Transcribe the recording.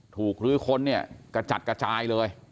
หรือค้นเนี่ยกระจัดกระจายเลย